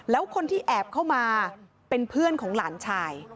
แล้วคนที่แอบเข้ามาเป็นเพื่อนของหลานชาย